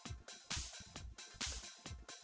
kamu kurang ajar